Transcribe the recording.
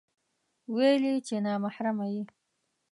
ويل يې چې نا محرمه يې